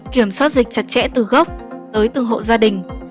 kiểm soát dịch chặt chẽ từ gốc tới từng hộ gia đình